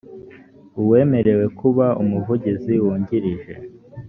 uwemerewe kuba umuvugizi wungirije